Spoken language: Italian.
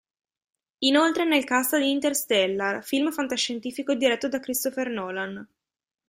Inoltre è nel cast di "Interstellar", film fantascientifico diretto da Christopher Nolan.